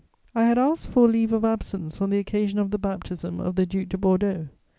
I had asked for leave of absence on the occasion of the baptism of the Duc de Bordeaux.